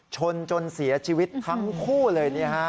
ชนจนเสียชีวิตทั้งคู่เลย